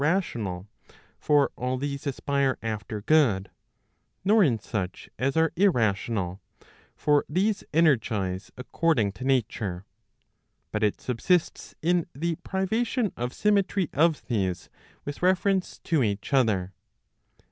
517 rational; for all these aspire after good; nor in such as are irrational; for these energize according to nature. But it subsists in the privation of symmetry * of these with reference to each other.